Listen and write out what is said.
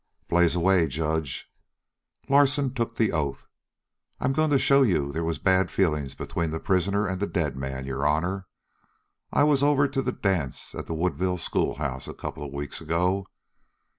"Blaze away, judge." Larsen took the oath. "I'm going to show you they was bad feelings between the prisoner and the dead man, your honor. I was over to the dance at the Woodville schoolhouse a couple of weeks ago.